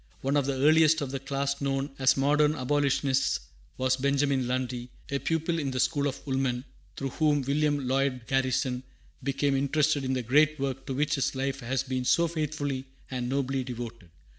One of the earliest of the class known as modern abolitionists was Benjamin Lundy, a pupil in the school of Woolman, through whom William Lloyd Garrison became interested in the great work to which his life has been so faithfully and nobly devoted.